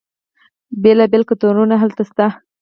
بیلا بیل کلتورونه هلته شته.